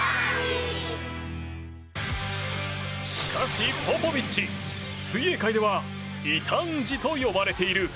しかし、ポポビッチ水泳界では異端児と呼ばれている。